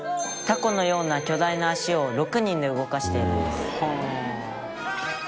「タコのような巨大な足を６人で動かしているんです」